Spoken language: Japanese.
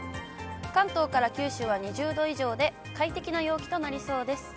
関東から九州は２０度以上で、快適な陽気となりそうです。